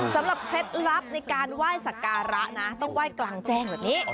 เคล็ดลับในการไหว้สักการะนะต้องไหว้กลางแจ้งแบบนี้